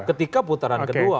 ketika putaran kedua